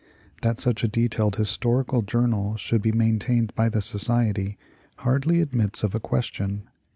That such a detailed historical joui nal should be maintained by the Society hardly admits of a question.